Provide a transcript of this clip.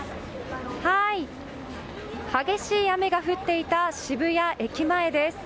激しい雨が降っていた渋谷駅前です。